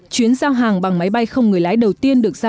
chuyến giao hàng bằng máy bay không người lái đầu tiên được giao